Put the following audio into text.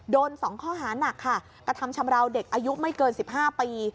โดน๒ข้อหานักค่ะกระทำชำราวเด็กอายุไม่เกิน๑๕ปี